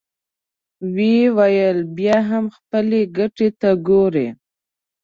ويې ويل: بيا هم خپلې ګټې ته ګورې!